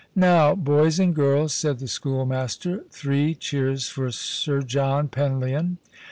" Now, boys and girls," said the schoolmaster, " three cheers for Sir John Penlyon."